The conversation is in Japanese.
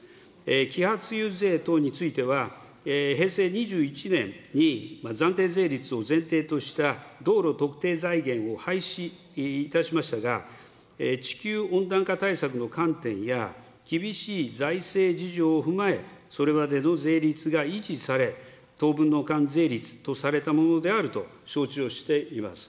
揮発油税等については、平成２１年に暫定税率を前提とした道路特定財源を廃止いたしましたが、地球温暖化対策の観点や、厳しい財政事情を踏まえ、それまでの税率が維持され、当分の間税率とされたものであると承知をしています。